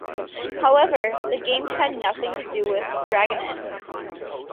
However, the game had nothing to do with Dragonette.